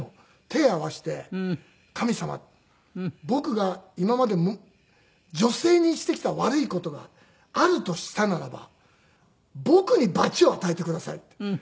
手合わせて「神様僕が今まで女性にしてきた悪い事があるとしたならば僕に罰を与えてください」って。